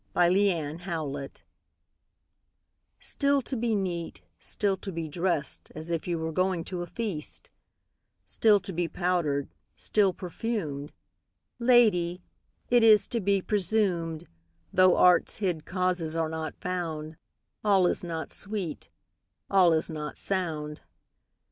Simplex Munditiis STILL to be neat, still to be drest, As you were going to a feast; Still to be powder'd, still perfumed: Lady, it is to be presumed, Though art's hid causes are not found, 5 All is not sweet, all is not sound.